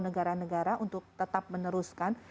negara negara untuk tetap meneruskan